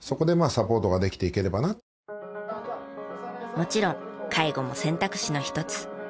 もちろん介護も選択肢の一つ。